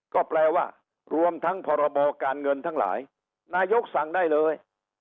ก็แปลว่ารวมทั้งพรบการเงินทั้งหลายนายกสั่งได้เลย